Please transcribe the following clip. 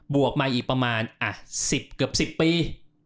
วกมาอีกประมาณ๑๐เกือบ๑๐ปี